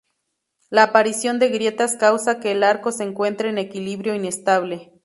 La aparición de grietas causa que el arco se encuentre en equilibrio inestable.